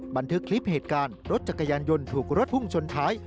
บันทึกคลิปเหตุการณ์รถจักรยานยนต์ถูกรถพุ่งชนท้าย